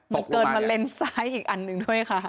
มันเกินมาเลนซ้ายอีกอันหนึ่งด้วยค่ะ